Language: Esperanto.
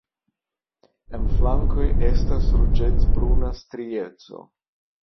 En flankoj estas ruĝecbruna strieco.